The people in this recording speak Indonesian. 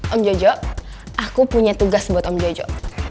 om jojo aku punya tugas buat om jojo